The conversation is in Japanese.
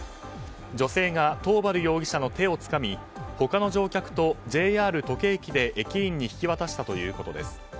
女性が桃原容疑者の手をつかみ他の乗客とＪＲ土気駅で駅員に引き渡したということです。